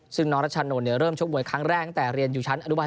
ซึ่งน้องรัชนนท์เริ่มชกมวยครั้งแรกตั้งแต่เรียนอยู่ชั้นอนุบาล